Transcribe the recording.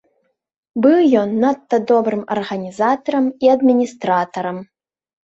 Быў ён надта добрым арганізатарам і адміністратарам.